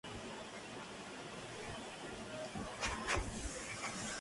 En el otoño de ese año se convirtió en un prisionero de guerra.